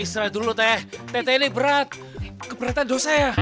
istirahat dulu teh tete ini berat keberatan dosa ya